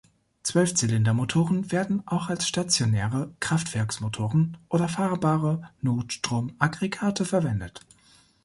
Zwölfzylindermotoren werden auch als stationäre Kraftwerks-Motoren oder fahrbare Notstromaggregate verwendet.